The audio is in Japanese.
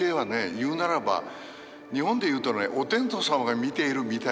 言うならば日本で言うとねお天道様が見ているみたいな言い方に近い。